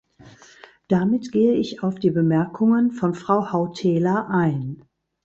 Damit gehe ich auf die Bemerkungen von Frau Hautela ein.